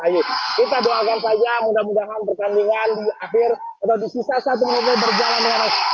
ayo kita doakan saja mudah mudahan pertandingan di akhir atau di sisa satu menit ini berjalan dengan baik